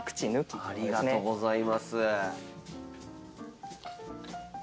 ありがとうございます。